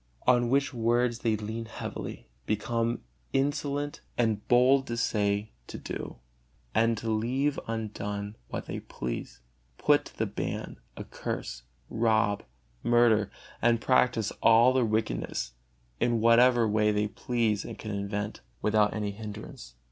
On which words they lean heavily, become insolent and bold to say, to do, and to leave undone what they please; put to the ban, accurse, rob, murder, and practise all their wickedness, in whatever way they please and can invent, without any hindrance.